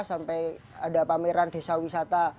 sampai ada pameran desa wisata